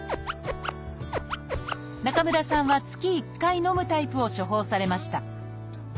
中村さんは月１回のむタイプを処方されました。